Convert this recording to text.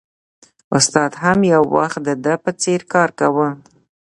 استاد هم یو وخت د ده په څېر کار کاوه